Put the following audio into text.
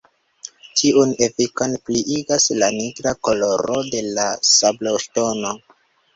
Tiun efikon pliigas la nigra koloro de la sabloŝtono.